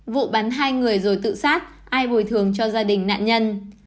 vụ bắn hai người rồi tự sát ai bồi thường cho gia đình nạn nhân